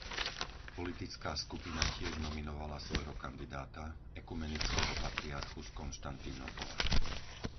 Politická skupina tiež nominovala svojho kandidáta, ekumenického patriarchu z Konštantínopola.